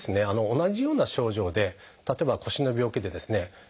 同じような症状で例えば腰の病気でですね